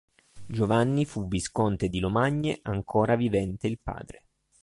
Giovanni fu visconte di Lomagne, ancora vivente il padre.